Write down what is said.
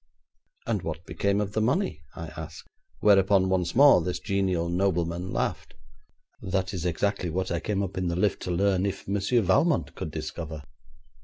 'And what became of the money?' I asked, whereupon once more this genial nobleman laughed. 'That is exactly what I came up in the lift to learn if Monsieur Valmont could discover.'